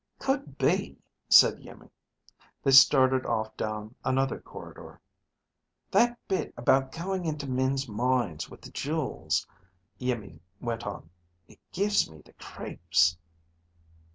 "Could be," said Iimmi. They started off down another corridor. "That bit about going into men's minds with the jewels," Iimmi went on. "It gives me the creeps."